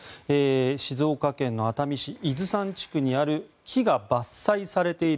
静岡県の熱海市伊豆山地区にある木が伐採されている